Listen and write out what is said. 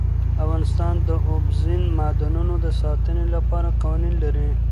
افغانستان د اوبزین معدنونه د ساتنې لپاره قوانین لري.